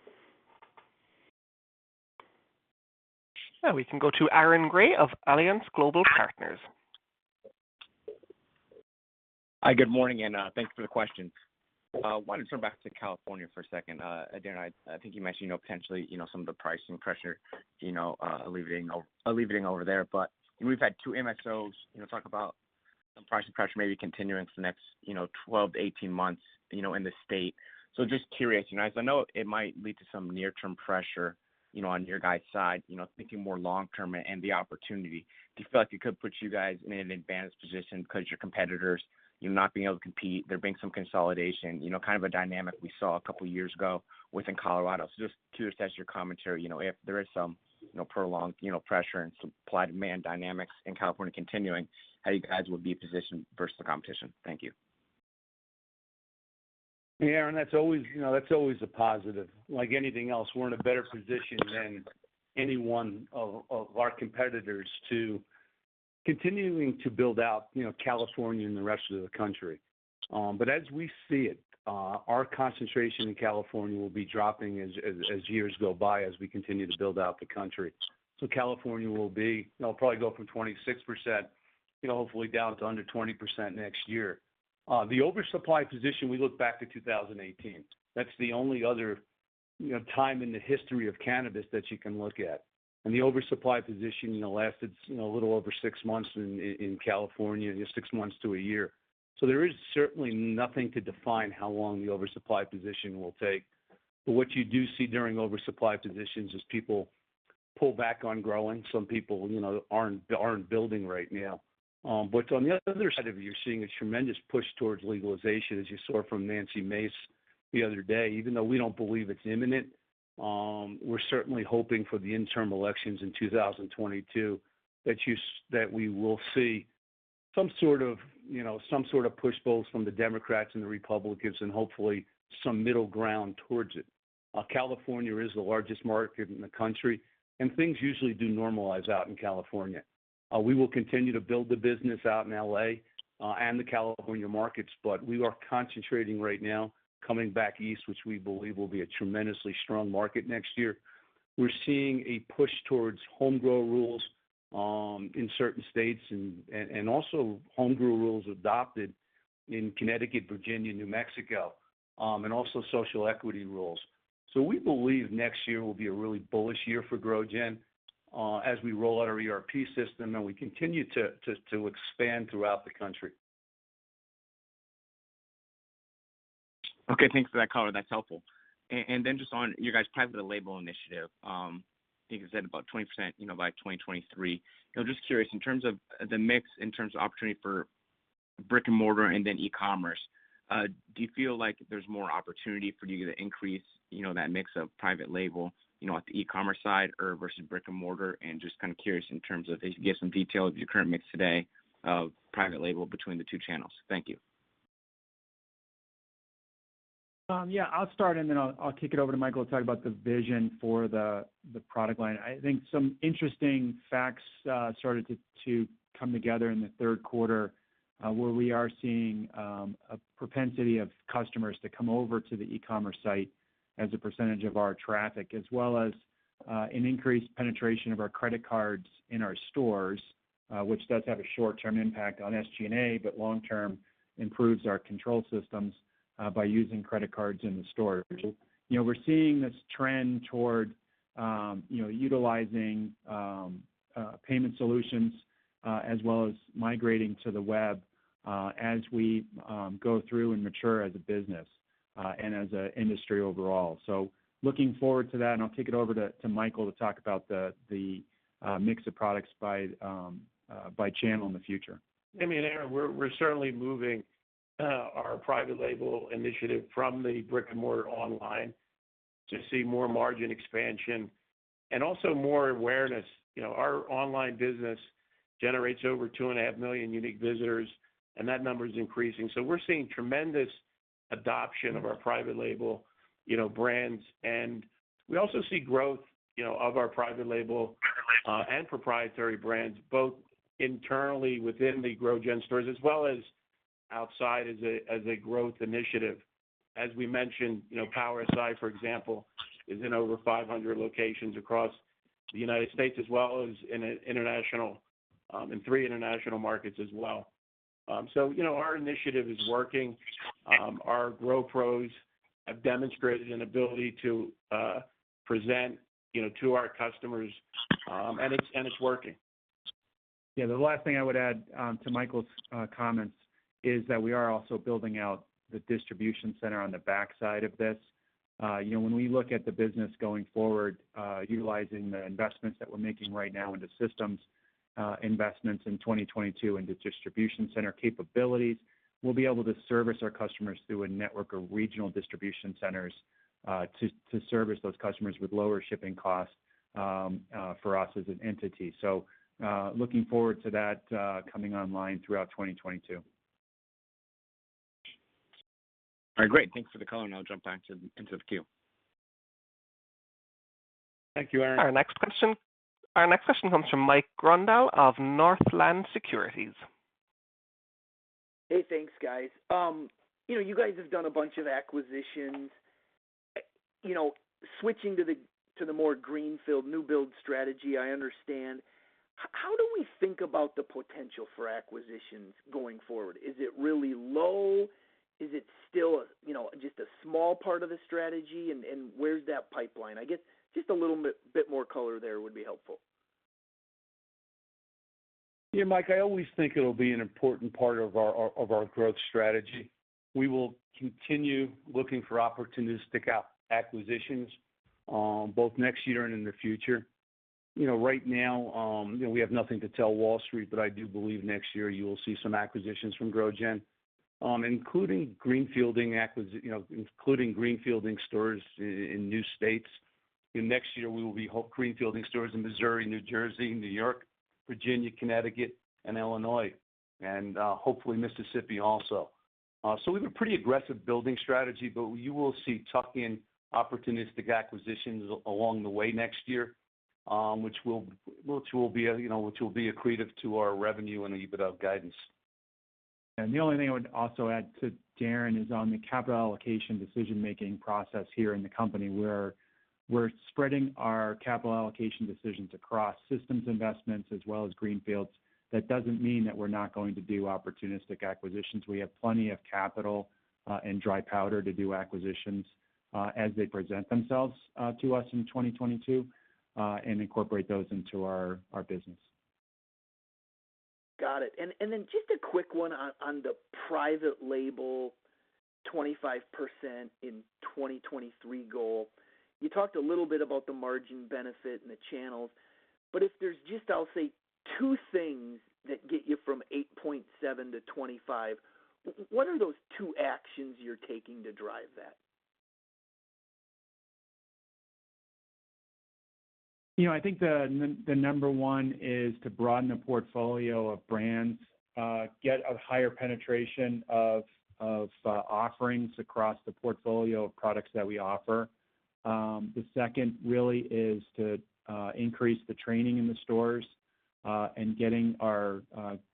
Yeah, we can go to Aaron Grey of Alliance Global Partners. Hi, good morning, and thanks for the questions. I wanted to turn back to California for a second. Darren, I think you mentioned, you know, potentially, you know, some of the pricing pressure, you know, alleviating over there. We've had two MXOs, you know, talk about some pricing pressure maybe continuing for the next, you know, 12-18 months, you know, in the state. Just curious, you know. I know it might lead to some near-term pressure, you know, on your guys' side. You know, thinking more long-term and the opportunity, do you feel like it could put you guys in an advanced position because your competitors, you know, not being able to compete, there being some consolidation, you know, kind of a dynamic we saw a couple years ago within Colorado? Just curious as to your commentary, you know, if there is some, you know, prolonged, you know, pressure and supply-demand dynamics in California continuing, how you guys would be positioned versus the competition? Thank you. That's always a positive. Like anything else, we're in a better position than any one of our competitors to continuing to build out, you know, California and the rest of the country. As we see it, our concentration in California will be dropping as years go by, as we continue to build out the country. California will be, you know, probably go from 26%, you know, hopefully down to under 20% next year. The oversupply position, we look back to 2018. That's the only other, you know, time in the history of cannabis that you can look at. The oversupply position, you know, lasted, you know, a little over six months in California, you know, six months to a year. There is certainly nothing to define how long the oversupply position will take. What you do see during oversupply positions is people pull back on growing. Some people, you know, aren't building right now. On the other side of it, you're seeing a tremendous push towards legalization, as you saw from Nancy Mace the other day. Even though we don't believe it's imminent, we're certainly hoping for the interim elections in 2022, that we will see some sort of, you know, pushbacks from the Democrats and the Republicans and hopefully some middle ground towards it. California is the largest market in the country, and things usually do normalize out in California. We will continue to build the business out in L.A., and the California markets, but we are concentrating right now coming back east, which we believe will be a tremendously strong market next year. We're seeing a push towards homegrow rules in certain states and also homegrow rules adopted in Connecticut, Virginia, New Mexico, and also social equity rules. We believe next year will be a really bullish year for GrowGen as we roll out our ERP system and we continue to expand throughout the country. Okay, thanks for that color. That's helpful. Then just on your guys' private label initiative, I think you said about 20%, you know, by 2023. You know, just curious, in terms of the mix, in terms of opportunity for brick-and-mortar and then e-commerce, do you feel like there's more opportunity for you to increase, you know, that mix of private label, you know, at the e-commerce side or versus brick-and-mortar? Just kind of curious in terms of if you could give some detail of your current mix today of private label between the two channels. Thank you. Yeah, I'll start, and then I'll kick it over to Michael to talk about the vision for the product line. I think some interesting facts started to come together in the third quarter, where we are seeing a propensity of customers to come over to the e-commerce site as a percentage of our traffic, as well as an increased penetration of our credit cards in our stores, which does have a short-term impact on SG&A, but long term, improves our control systems by using credit cards in the stores. You know, we're seeing this trend toward you know, utilizing payment solutions, as well as migrating to the web, as we go through and mature as a business, and as an industry overall. Looking forward to that, and I'll kick it over to Michael to talk about the mix of products by channel in the future. I mean, Aaron, we're certainly moving our private label initiative from brick-and-mortar to online to see more margin expansion and also more awareness. You know, our online business generates over 2.5 million unique visitors, and that number is increasing. We're seeing tremendous adoption of our private label, you know, brands. We also see growth, you know, of our private label and proprietary brands, both internally within the GrowGen stores as well as outside as a growth initiative. As we mentioned, you know, Power Si, for example, is in over 500 locations across the United States as well as in an international in three international markets as well. You know, our initiative is working. Our Grow Pros have demonstrated an ability to present, you know, to our customers, and it's working. Yeah. The last thing I would add to Michael's comments is that we are also building out the distribution center on the backside of this. You know, when we look at the business going forward, utilizing the investments that we're making right now into systems, investments in 2022 into distribution center capabilities, we'll be able to service our customers through a network of regional distribution centers to service those customers with lower shipping costs for us as an entity. Looking forward to that coming online throughout 2022. All right, great. Thanks for the color, and I'll jump back into the queue. Thank you, Aaron. Our next question comes from Mike Grondahl of Northland Securities. Hey, thanks, guys. You know, you guys have done a bunch of acquisitions. You know, switching to the more greenfield new build strategy, I understand. How do we think about the potential for acquisitions going forward? Is it really low? Is it still, you know, just a small part of the strategy? Where's that pipeline? I guess, just a little bit more color there would be helpful. Yeah, Mike, I always think it'll be an important part of our growth strategy. We will continue looking for opportunistic acquisitions both next year and in the future. You know, right now, you know, we have nothing to tell Wall Street, but I do believe next year you will see some acquisitions from GrowGen, including greenfielding stores in new states. Next year, we will be greenfielding stores in Missouri, New Jersey, New York, Virginia, Connecticut, and Illinois, and hopefully Mississippi also. We have a pretty aggressive building strategy, but you will see tuck-in opportunistic acquisitions along the way next year, which will be accretive to our revenue and EBITDA guidance. The only thing I would also add to Darren is on the capital allocation decision-making process here in the company. We're spreading our capital allocation decisions across systems investments as well as greenfields. That doesn't mean that we're not going to do opportunistic acquisitions. We have plenty of capital and dry powder to do acquisitions as they present themselves to us in 2022 and incorporate those into our business. Got it. Just a quick one on the private label 25% in 2023 goal. You talked a little bit about the margin benefit and the channels, but if there's just, I'll say, two things that get you from 8.7% to 25%, what are those two actions you're taking to drive that? You know, I think the number one is to broaden the portfolio of brands, get a higher penetration of offerings across the portfolio of products that we offer. The second really is to increase the training in the stores and getting our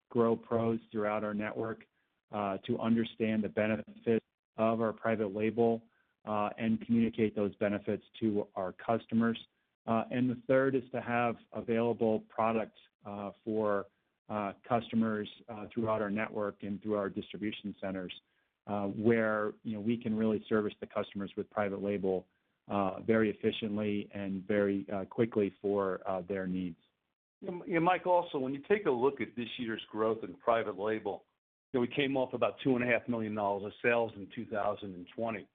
Grow Pros throughout our network to understand the benefits of our private label and communicate those benefits to our customers. The third is to have available products for customers throughout our network and through our distribution centers, where you know, we can really service the customers with private label very efficiently and very quickly for their needs. You know, Mike, also, when you take a look at this year's growth in private label, you know, we came off about $2.5 million of sales in 2020.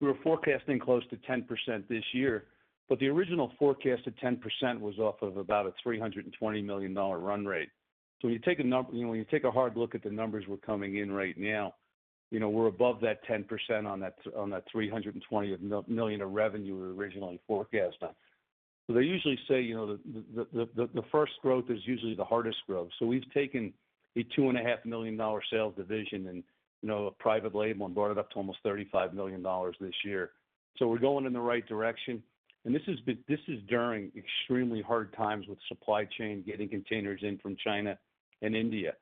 We were forecasting close to 10% this year, but the original forecast of 10% was off of about a $320 million run rate. When you take a hard look at the numbers we're coming in right now, you know, we're above that 10% on that $320 million of revenue we originally forecasted. They usually say, you know, the first growth is usually the hardest growth. We've taken a $2.5 million sales division and, you know, a private label and brought it up to almost $35 million this year. We're going in the right direction. This has been during extremely hard times with supply chain, getting containers in from China and India.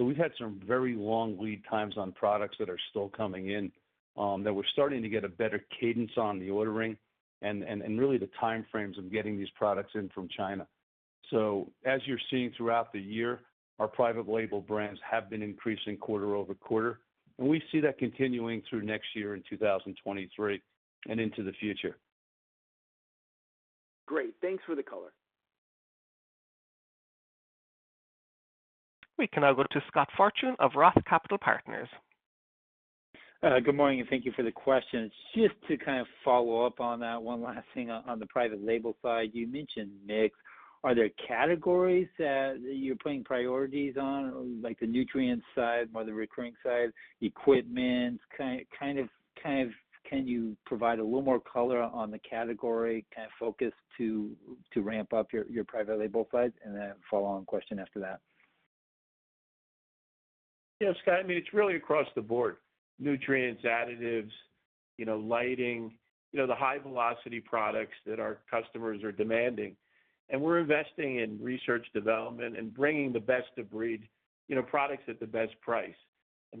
We've had some very long lead times on products that are still coming in, that we're starting to get a better cadence on the ordering and really the time frames of getting these products in from China. As you're seeing throughout the year, our private label brands have been increasing quarter-over-quarter, and we see that continuing through next year in 2023 and into the future. Great. Thanks for the color. We can now go to Scott Fortune of Roth Capital Partners. Good morning, and thank you for the question. Just to kind of follow up on that one last thing on the private label side. You mentioned mix. Are there categories that you're putting priorities on, like the nutrients side or the recurring side, equipment? Kind of, can you provide a little more color on the category kind of focus to ramp up your private label sides? Then a follow-on question after that. Yeah, Scott, I mean, it's really across the board. Nutrients, additives, you know, lighting, you know, the high-velocity products that our customers are demanding. We're investing in research and development and bringing the best of breed, you know, products at the best price.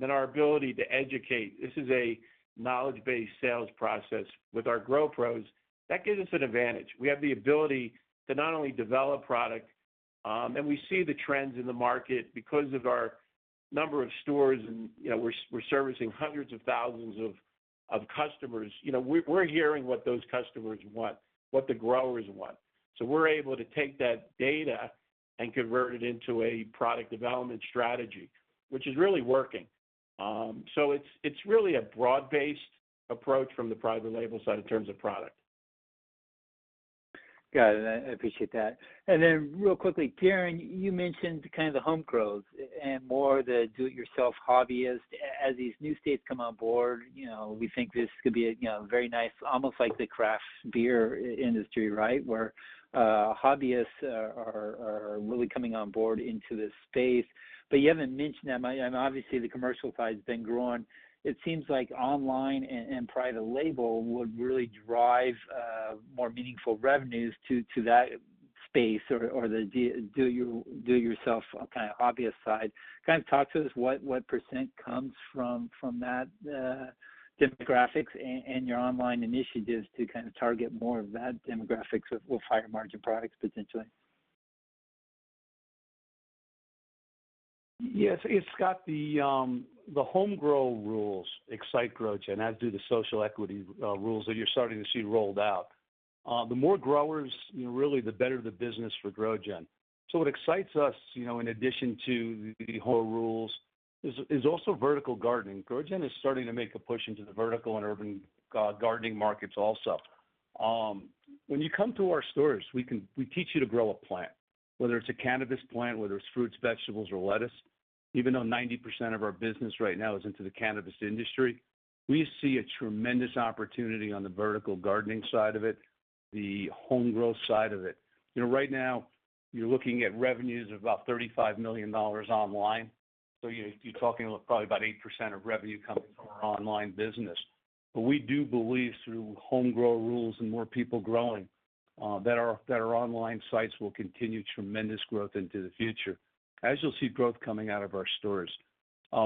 Our ability to educate. This is a knowledge-based sales process with our Grow Pros. That gives us an advantage. We have the ability to not only develop product and we see the trends in the market because of our number of stores and, you know, we're servicing hundreds of thousands of customers. You know, we're hearing what those customers want, what the growers want. We're able to take that data and convert it into a product development strategy, which is really working. It's really a broad-based approach from the private label side in terms of product. Got it. I appreciate that. Real quickly, Darren, you mentioned kind of the home grows and more the do-it-yourself hobbyist. As these new states come on board, you know, we think this could be a, you know, very nice, almost like the craft beer industry, right? Where hobbyists are really coming on board into this space. You haven't mentioned them, and obviously the commercial side's been growing. It seems like online and private label would really drive more meaningful revenues to that space or the do-it-yourself kind of obvious side. Talk to us what percent comes from that demographic and your online initiatives to kind of target more of that demographic with higher margin products potentially. Yes. It's got the home grow rules excite GrowGen, as do the social equity rules that you're starting to see rolled out. The more growers, you know, really the better the business for GrowGen. What excites us, you know, in addition to the whole rules is also vertical gardening. GrowGen is starting to make a push into the vertical and urban gardening markets also. When you come to our stores, we teach you to grow a plant, whether it's a cannabis plant, whether it's fruits, vegetables, or lettuce. Even though 90% of our business right now is into the cannabis industry, we see a tremendous opportunity on the vertical gardening side of it, the home grow side of it. You know, right now you're looking at revenues of about $35 million online, so you're talking probably about 8% of revenue coming from our online business. We do believe through home grow rules and more people growing that our online sites will continue tremendous growth into the future, as you'll see growth coming out of our stores.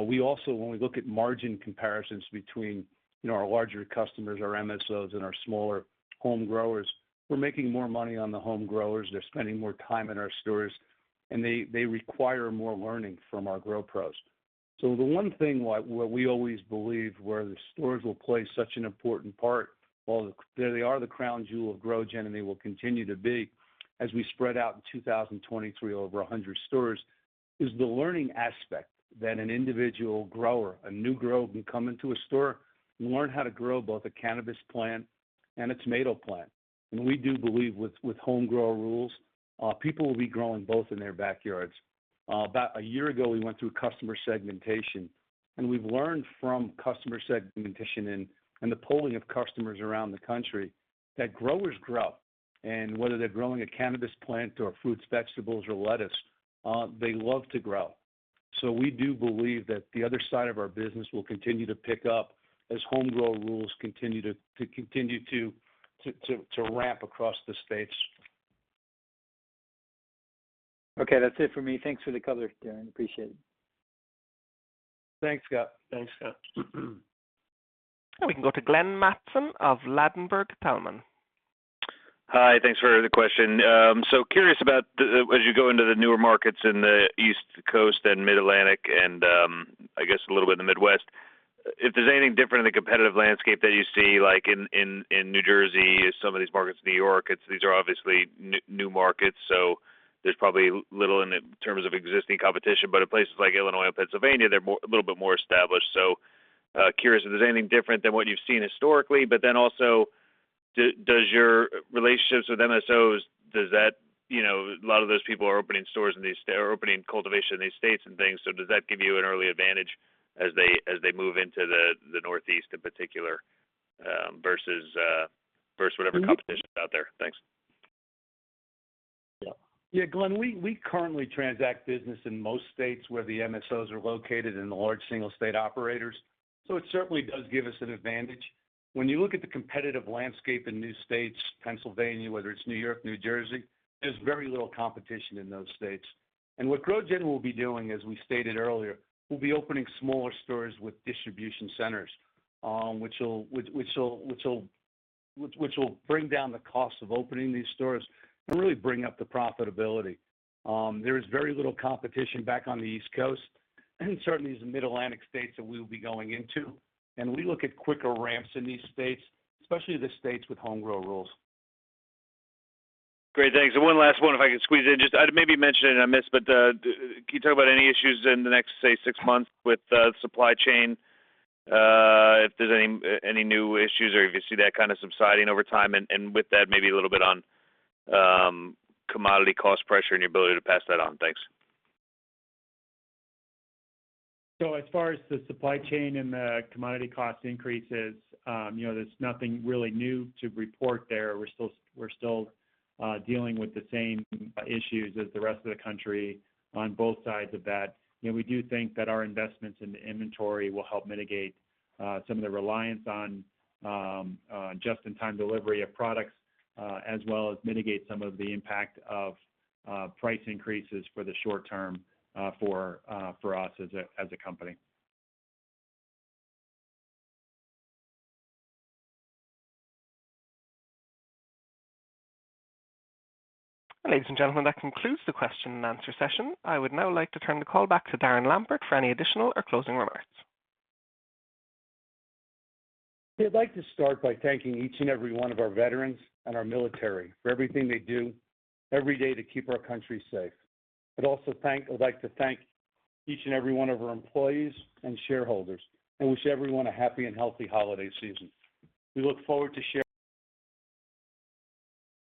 We also, when we look at margin comparisons between, you know, our larger customers, our MSOs, and our smaller home growers, we're making more money on the home growers. They're spending more time in our stores, and they require more learning from our Grow Pros. The one thing like where we always believe the stores will play such an important part, while they're the crown jewel of GrowGen, and they will continue to be as we spread out in 2023 over 100 stores, is the learning aspect that an individual grower, a new grow can come into a store and learn how to grow both a cannabis plant and a tomato plant. We do believe with home grow rules, people will be growing both in their backyards. About a year ago, we went through customer segmentation, and we've learned from customer segmentation and the polling of customers around the country that growers grow. Whether they're growing a cannabis plant or fruits, vegetables, or lettuce, they love to grow. We do believe that the other side of our business will continue to pick up as home grow rules continue to ramp across the states. Okay. That's it for me. Thanks for the color, Darren. Appreciate it. Thanks, Scott. Now we can go to Glenn Mattson of Ladenburg Thalmann. Hi. Thanks for the question. Curious about the, as you go into the newer markets in the East Coast and Mid-Atlantic and, I guess a little bit in the Midwest, if there's anything different in the competitive landscape that you see, like in New Jersey, some of these markets, New York. These are obviously new markets, so there's probably little in terms of existing competition. But in places like Illinois and Pennsylvania, they're a little bit more established. Curious if there's anything different than what you've seen historically, but then also does your relationships with MSOs, does that, you know, a lot of those people are opening stores in these. They're opening cultivation in these states and things, so does that give you an early advantage as they move into the Northeast in particular, versus whatever- Mm-hmm What competition is out there? Thanks. Yeah. Yeah, Glenn, we currently transact business in most states where the MSOs are located and the large single state operators, so it certainly does give us an advantage. When you look at the competitive landscape in new states, Pennsylvania, whether it's New York, New Jersey, there's very little competition in those states. What GrowGen will be doing, as we stated earlier, we'll be opening smaller stores with distribution centers, which will bring down the cost of opening these stores and really bring up the profitability. There is very little competition back on the East Coast and certainly the Mid-Atlantic states that we will be going into. We look at quicker ramps in these states, especially the states with home grow rules. Great. Thanks. One last one, if I could squeeze in. Just, maybe you mentioned it and I missed, but, can you talk about any issues in the next, say, six months with supply chain, if there's any new issues or if you see that kind of subsiding over time? With that, maybe a little bit on commodity cost pressure and your ability to pass that on. Thanks. As far as the supply chain and the commodity cost increases, you know, there's nothing really new to report there. We're still dealing with the same issues as the rest of the country on both sides of that. You know, we do think that our investments in the inventory will help mitigate some of the reliance on just-in-time delivery of products, as well as mitigate some of the impact of price increases for the short term for us as a company. Ladies and gentlemen, that concludes the question and answer session. I would now like to turn the call back to Darren Lampert for any additional or closing remarks. I'd like to start by thanking each and every one of our veterans and our military for everything they do every day to keep our country safe. I'd like to thank each and every one of our employees and shareholders and wish everyone a happy and healthy holiday season. We look forward to sharing-